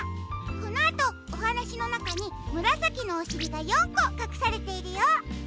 このあとおはなしのなかにむらさきのおしりが４こかくされているよ。